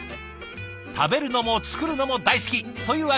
食べるのも作るのも大好きというあ